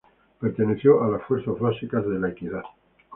Perteneció a las Fuerzas Básicas de La Equidad.